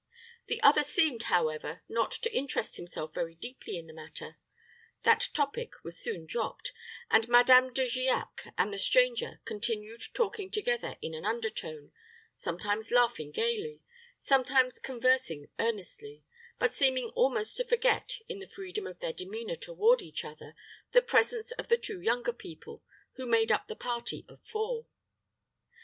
The other seemed, however, not to interest himself very deeply in the matter; that topic was soon dropped; and Madame De Giac and the stranger continued talking together in an under tone, sometimes laughing gayly, sometimes conversing earnestly, but seeming almost to forget, in the freedom of their demeanor toward each other, the presence of the two younger people, who, made up the party of four.